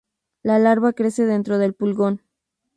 La larva crece dentro del pulgón.